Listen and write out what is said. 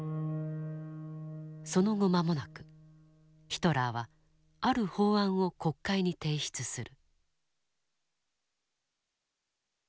その後間もなくヒトラーはある法案を国会に提出する。